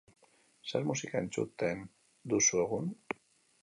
Zer musika entzuten duzu egun?